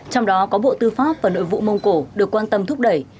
trong đó có bộ tư pháp và nội vụ mông cổ được quan tâm thúc đẩy